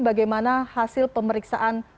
bagaimana hasil pemeriksaan